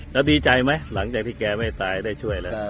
แล้วดีใจไหมหลังจากที่แกไม่ตายได้ช่วยแล้ว